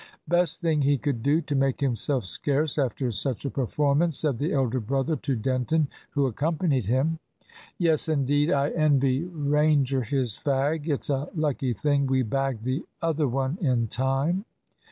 "Best thing he could do, to make himself scarce, after such a performance," said the elder brother to Denton, who accompanied him. "Yes, indeed, I envy Ranger his fag. It's a lucky thing we bagged the other one in time."